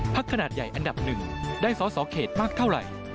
ขนาดใหญ่อันดับหนึ่งได้สอสอเขตมากเท่าไหร่